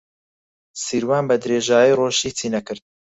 سیروان بەدرێژایی ڕۆژ هیچی نەکرد.